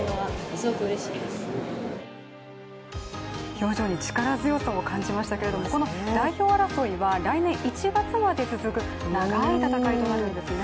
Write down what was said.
表情に力強さを感じましたけれどもこの代表争いは来年１月まで続く長い戦いとなるんですね。